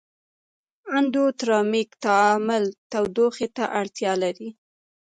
اندوترمیک تعامل تودوخې ته اړتیا لري.